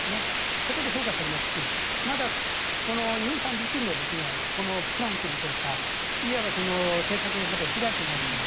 そこで評価されますしまだ、ユンさん自身のプランといいましょうかいわば政策をまだ打ち出していないという。